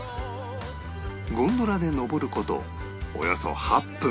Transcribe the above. ゴンドラで昇る事およそ８分